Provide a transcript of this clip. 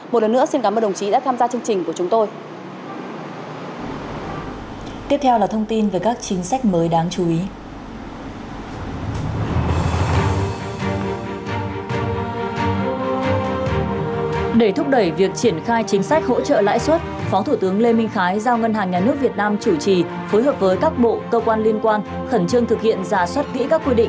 một lần nữa xin cảm ơn đồng chí đã tham gia chương trình của chúng tôi